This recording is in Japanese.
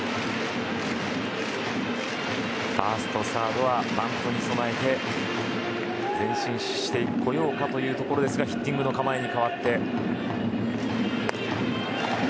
ファースト、サードはバントに備えて前進してこようかというところでヒッティングの構えに変わった紅林。